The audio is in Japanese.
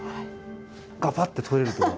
ガバッて取れるとか？